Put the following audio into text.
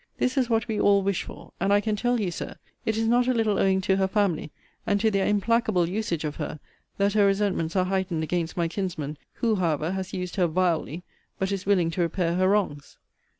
That is what we all wish for. And I can tell you, Sir, it is not a little owing to her family, and to their implacable usage of her, that her resentments are heightened against my kinsman; who, however, has used her vilely; but is willing to repair her wrongs.